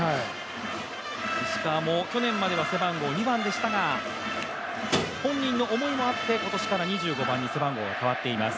石川も去年までは背番号２番でしたが本人の思いもあって今年から２５番に背番号、変わっています。